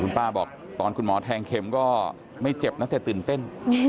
ป้าบอกตอนคุณหมอแทงเข็มก็ไม่เจ็บนะแต่ตื่นเต้น